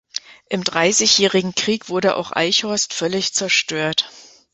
Im Dreißigjährigen Krieg wurde auch Eichhorst völlig zerstört.